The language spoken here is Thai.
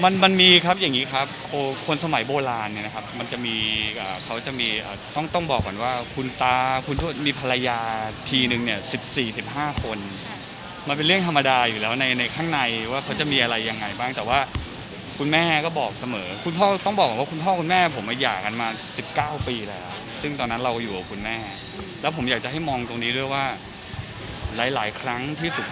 มันมันมีครับอย่างงี้ครับคนสมัยโบราณเนี้ยนะครับมันจะมีเขาจะมีต้องต้องบอกก่อนว่าคุณตาคุณต้องมีภรรยาทีนึงเนี้ยสิบสี่สิบห้าคนมันเป็นเรื่องธรรมดาอยู่แล้วในในข้างในว่าเขาจะมีอะไรยังไงบ้างแต่ว่าคุณแม่ก็บอกเสมอคุณพ่อต้องบอกว่าคุณพ่อคุณแม่ผมมาอย่างกันมาสิบเก้าปีแล้วซึ่งตอนน